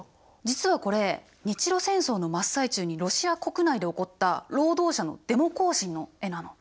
実はこれ日露戦争の真っ最中にロシア国内で起こった労働者のデモ行進の絵なの。